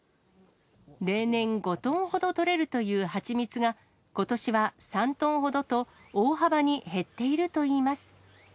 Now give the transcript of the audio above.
例年、５トンほど取れるというはちみつが、ことしは３トンほどと、大幅に減っているといいます。